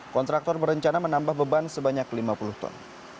kontraktor berencana menambah beban sebanyak lima puluh ton